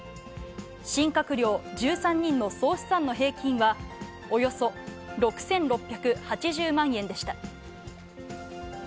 新閣僚１３人の総資産の平均は、およそ６６８０万円でした。